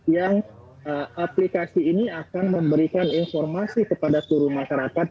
yang aplikasi ini akan memberikan informasi kepada seluruh masyarakat